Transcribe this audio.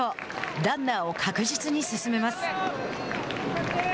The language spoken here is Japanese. ランナーを確実に進めます。